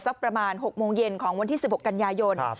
ประมาณ๖โมงเย็นของวันที่๑๖กันยายน